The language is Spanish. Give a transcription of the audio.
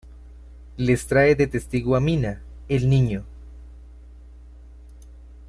Les trae de testigo a Mina, el niño.